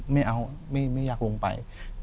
ไม่เอาไม่อยากลงไป